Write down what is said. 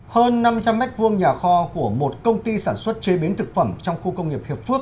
hơn năm trăm linh m hai nhà kho của một công ty sản xuất chế biến thực phẩm trong khu công nghiệp hiệp phước